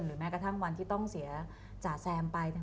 แม้กระทั่งวันที่ต้องเสียจ๋าแซมไป